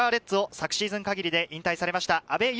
浦和レッズを昨シーズン限りで引退されました